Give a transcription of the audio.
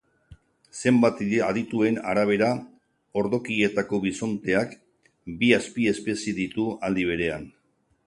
Zenbait adituen arabera, Ordokietako bisonteak bi azpiespezie ditu aldi berean.